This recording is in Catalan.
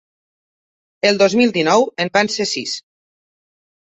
El dos mil dinou en van ser sis.